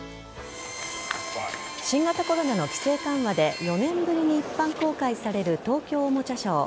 新型コロナの規制緩和で４年ぶりに一般公開される東京おもちゃショー。